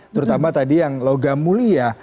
terutama tadi yang logam mulia